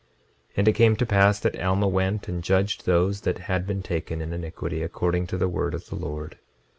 26:34 And it came to pass that Alma went and judged those that had been taken in iniquity, according to the word of the Lord.